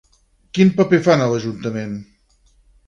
Quin paper fan a l'Ajuntament?